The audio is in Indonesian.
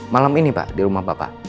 malam ini pak di rumah bapak